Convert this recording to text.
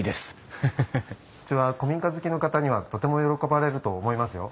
うちは古民家好きの方にはとても喜ばれると思いますよ。